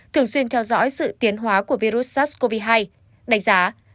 thường xuyên theo dõi sự tiến hóa của virus sars cov hai đánh giá